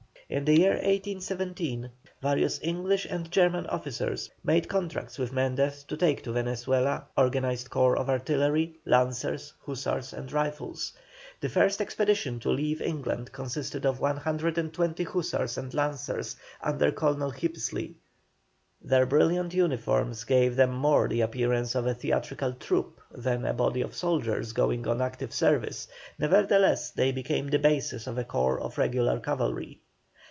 In the year 1817, various English and German officers made contracts with Mendez to take to Venezuela organized corps of artillery, lancers, hussars, and rifles. The first expedition to leave England consisted of 120 hussars and lancers, under Colonel Hippisley. Their brilliant uniforms gave them more the appearance of a theatrical troupe than a body of soldiers going on active service; nevertheless they became the basis of a corps of regular cavalry.